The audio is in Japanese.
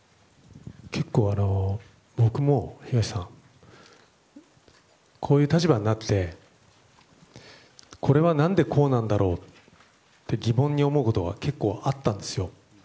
結構、僕もこういう立場になってこれは何でこうなんだろうって疑問に思うことは結構あったんですよ。